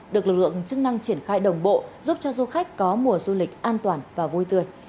được lực lượng chức năng triển khai đồng bộ giúp cho du khách có mùa du lịch an toàn và vui tươi